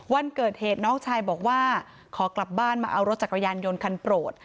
วันเกิดเหตุน้องชายบอกว่าขอกลับบ้านมาเอารถจักรยานยนต์คันโปรด